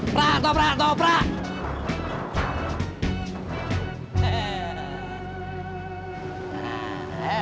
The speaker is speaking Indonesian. pratoh pratoh pratoh